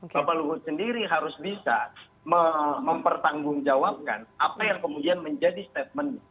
bapak luhut sendiri harus bisa mempertanggungjawabkan apa yang kemudian menjadi statement